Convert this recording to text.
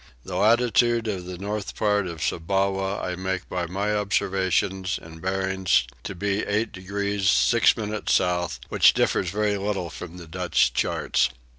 The latitude of the north part of Sumbawa I make by my observations and bearings to be 8 degrees 6 minutes south, which differs very little from the Dutch charts.